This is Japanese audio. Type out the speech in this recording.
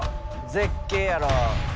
絶景やろ。